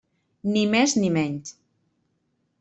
Ni més ni menys.